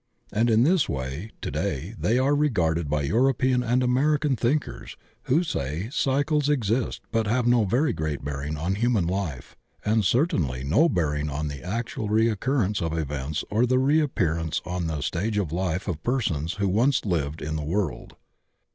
And in this way to day they are regarded by European and American think ers, who say cycles exist but have no very great bear ing on human life and certainly no bearing on the actual recurrence of events or the reappearance on 118 THE OCEAN OF THEOSOPHY the Stage of life of persons who once lived in the world.